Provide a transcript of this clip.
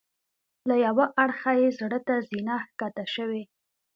له یوه اړخه یې زړه ته زینه ښکته شوې.